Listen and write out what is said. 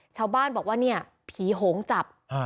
ชาวบ้านบอกว่าเนี่ยผีโหงจับ